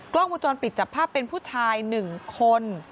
กล้องวงจรปิดจับภาพเป็นผู้ชาย๑คน